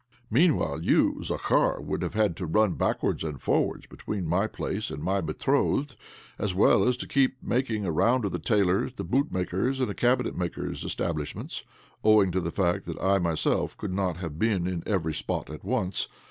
Meanwhile you, Zakhar, would have had to run backwards and forwards between my place and my betrothed's, as well as to keep making a round of the tailors', the boot makers', and the cabinetmakers' establish ments, owing to the fact that I myself could not have been in every spot at once.